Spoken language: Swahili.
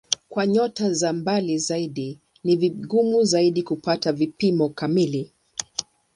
Kwa nyota za mbali zaidi ni vigumu zaidi kupata vipimo kamili.